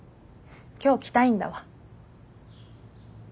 今日着たいんだわ。